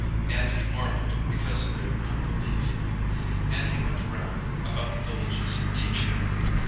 And he marvelled because of their unbelief. And he went round about the villages, teaching.